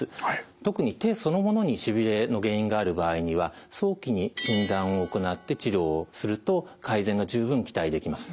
特に手そのものにしびれの原因がある場合には早期に診断を行って治療をすると改善が十分期待できます。